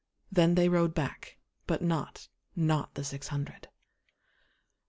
Then they rode back, but notNot the six hundred.